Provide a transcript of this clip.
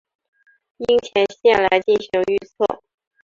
樱前线来进行预测。